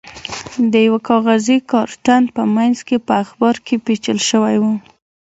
د یوه کاغذي کارتن په منځ کې په اخبار کې پېچل شوی و.